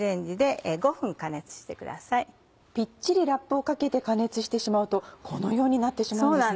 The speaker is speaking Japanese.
ぴっちりラップをかけて加熱してしまうとこのようになってしまうんですね。